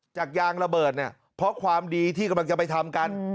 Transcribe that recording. ยางระเบิดเนี่ยเพราะความดีที่กำลังจะไปทำกัน